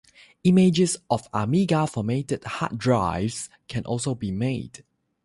Images of Amiga formatted hard drives can also be made.